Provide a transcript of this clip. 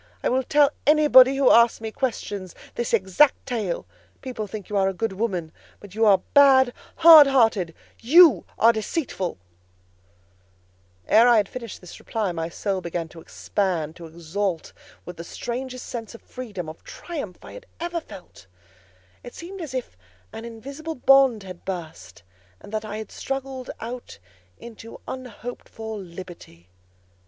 I will tell anybody who asks me questions, this exact tale. People think you a good woman, but you are bad, hard hearted. You are deceitful!" How dare I, Mrs. Reed? How dare I? Because it is the truth Ere I had finished this reply, my soul began to expand, to exult, with the strangest sense of freedom, of triumph, I ever felt. It seemed as if an invisible bond had burst, and that I had struggled out into unhoped for liberty.